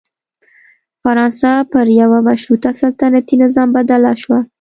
فرانسه پر یوه مشروط سلطنتي نظام بدله شوه.